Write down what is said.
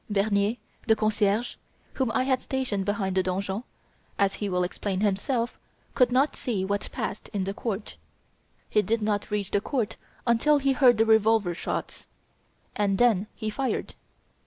Bernier, the concierge, whom I had stationed behind the donjon as he will explain himself could not see what passed in the court. He did not reach the court until he heard the revolver shots, and then he fired.